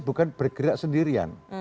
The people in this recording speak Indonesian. bukan bergerak sendirian